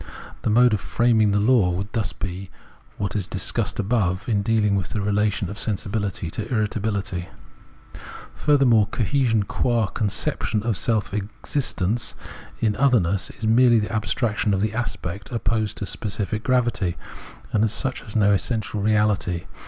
The mode of framing the law would thus be what we discussed above, in dealing with the relation of sensibihty to irritability. Furthermore, cohesion, qua conception of self exist ence in otherness, is merely the abstraction of the aspect opposed to specific gravity, and as such has no existential reahty.